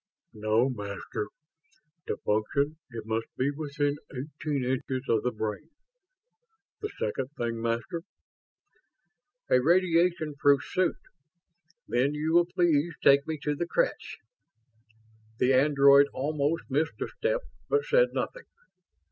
"No, Master. To function, it must be within eighteen inches of the brain. The second thing, Master?" "A radiation proof suit. Then you will please take me to the creche." The android almost missed a step, but said nothing.